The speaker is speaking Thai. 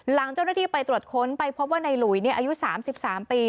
หลังเจ้าหน้าที่ไปตรวจค้นไปเพราะว่าในหลุยเนี่ยอายุสามสิบสามปี